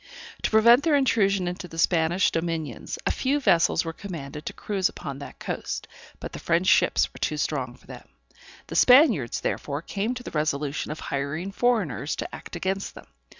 To prevent their intrusion into the Spanish dominions, a few vessels were commanded to cruise upon that coast, but the French ships were too strong for them; the Spaniards, therefore, came to the resolution of hiring foreigners to act against them.